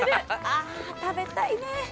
あ食べたいね！